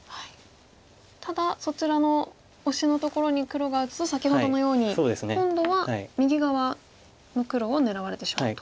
ただそちらのオシのところに黒が打つと先ほどのように今度は右側の黒を狙われてしまうと。